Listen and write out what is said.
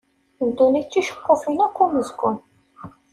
Dunnit d ticeqqufin akk n umezgun.